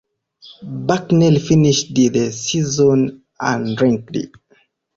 Bucknell finished the season unranked.